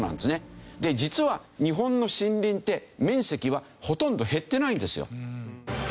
で実は日本の森林って面積はほとんど減ってないんですよ。